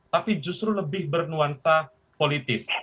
tapi justru lebih bernuansa politis